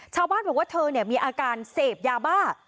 ชาวบ้านบอกว่าเธอมีอาการเสพยาบ้า